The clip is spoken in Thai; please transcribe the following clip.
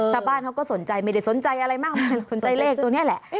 ชาวบ้านเขาก็สนใจไม่ได้สนใจอะไรมากมายสนใจเลขตัวนี้แหละ